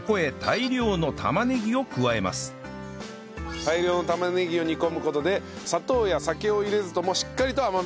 大量の玉ねぎを煮込む事で砂糖や酒を入れずともしっかりと甘みが出ると。